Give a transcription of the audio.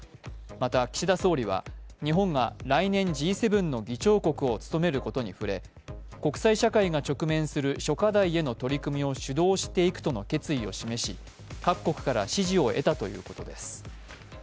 また岸田総理は、日本が来年Ｇ７の議長国を務めことに触れ国際社会が直面する諸課題への取り組みを主導していくとの決意を示し各国から支持を得たということです。